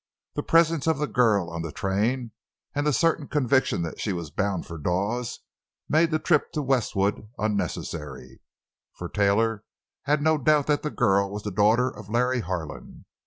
The presence of the girl on the train and the certain conviction that she was bound for Dawes made the trip to Westwood unnecessary. For Taylor had no doubt that the girl was the daughter of Larry Harlan.